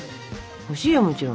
欲しいよもちろん。